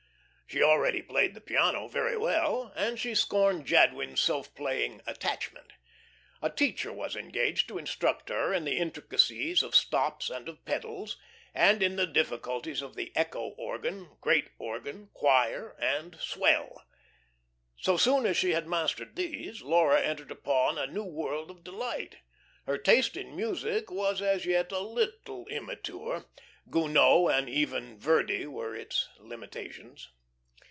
She already played the piano very well, and she scorned Jadwin's self playing "attachment." A teacher was engaged to instruct her in the intricacies of stops and of pedals, and in the difficulties of the "echo" organ, "great" organ, "choir," and "swell." So soon as she had mastered these, Laura entered upon a new world of delight. Her taste in music was as yet a little immature Gounod and even Verdi were its limitations.